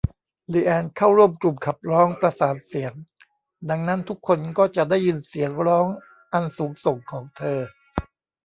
ลีแอนน์ เข้าร่วมกลุ่มขับร้องประสานเสียง ดังนั้นทุกคนก็จะได้ยินเสียงร้องอันสูงส่งของเธอ